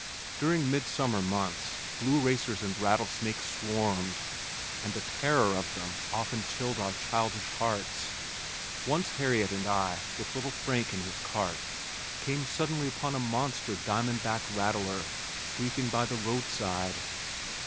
During mid summer months blue racers and rattlesnakes swarmed and the terror of them often chilled our childish hearts. Once Harriet and I, with little Frank in his cart, came suddenly upon a monster diamond back rattler sleeping by the roadside.